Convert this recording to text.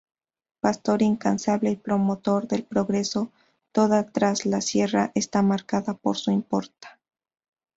Pastor incansable y Promotor del progreso, toda Traslasierra está marcada por su impronta.